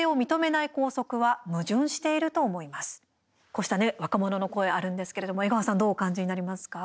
こうした若者の声あるんですけれども江川さんどうお感じになりますか？